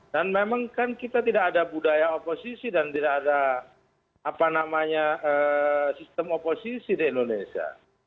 dan memang kan kita tidak ada budaya oposisi dan tidak ada sistem oposisi di indonesia